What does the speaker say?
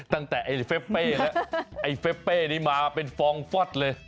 ตั้งแต่ไอ้เฟปเปไอ้เฟปเปนี่มาเป็นฟองฟอสเลย